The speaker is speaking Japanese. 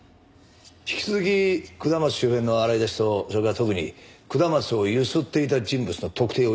引き続き下松周辺の洗い出しとそれから特に下松をゆすっていた人物の特定を急いでくれ。